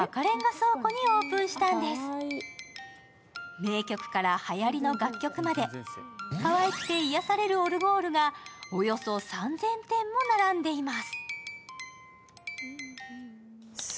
名曲からはやりの楽曲まで、かわいくて癒やされるオルゴールがおよそ３０００点も並んでいます。